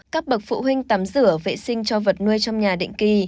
các bậc phụ huynh tắm rửa vệ sinh cho vật nuôi trong nhà định kỳ